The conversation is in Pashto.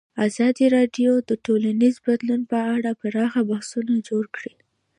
ازادي راډیو د ټولنیز بدلون په اړه پراخ بحثونه جوړ کړي.